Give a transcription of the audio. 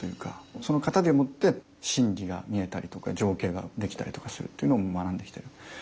その型でもって心理が見えたりとか情景ができたりとかするっていうのを学んできてる。